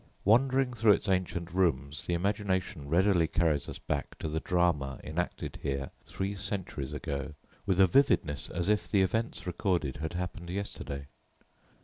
Wandering through its ancient rooms, the imagination readily carries us back to the drama enacted here three centuries ago with a vividness as if the events recorded had happened yesterday.